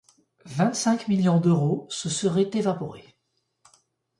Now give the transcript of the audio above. Vingt-cinq millions d'euros se seraient évaporés.